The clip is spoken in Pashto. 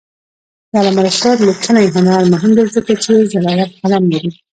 د علامه رشاد لیکنی هنر مهم دی ځکه چې زړور قلم لري.